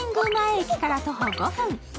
駅から徒歩５分。